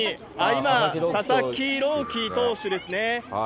今、佐々木朗希投手ですね。